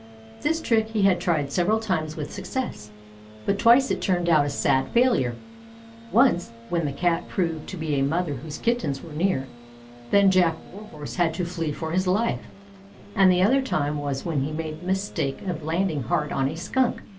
This trick he had tried several times with success, but twice it turned out a sad failure: once, when the Cat proved to be a mother whose Kittens were near; then Jack Warhorse had to flee for his life; and the other time was when he made the mistake of landing hard on a Skunk.